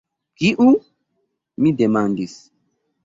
Kiu?“ mi demandis.